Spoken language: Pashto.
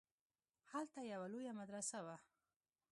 هلته يوه لويه مدرسه وه.